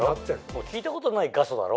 もう聞いたことない画素だろ。